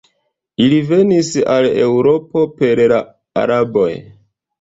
Ili venis al Eŭropo per la Araboj.